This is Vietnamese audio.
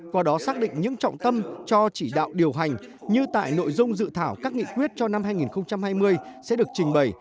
qua đó xác định những trọng tâm cho chỉ đạo điều hành như tại nội dung dự thảo các nghị quyết cho năm hai nghìn hai mươi sẽ được trình bày